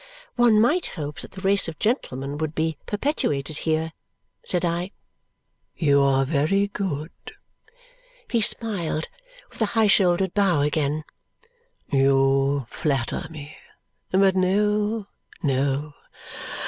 "One might hope that the race of gentlemen would be perpetuated here," said I. "You are very good." He smiled with a high shouldered bow again. "You flatter me. But, no no!